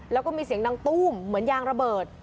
แล้วก็มีเสียงดังตู้มเหมือนยางระเบิด